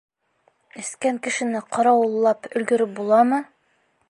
Эскән кешене ҡарауыллап өлгөрөп буламы?